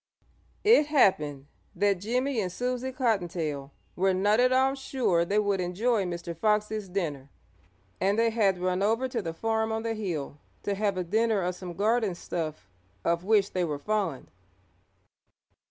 It happened that Jimmie and Susie Cottontail were not at all sure they would enjoy Mr. Fox's dinner, and they had run over to the farm on the hill to have a dinner of some garden stuff of which they were fond.